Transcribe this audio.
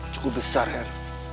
cukup besar her